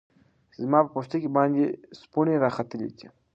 زما په پوستکی باندی سپوڼۍ راختلې دی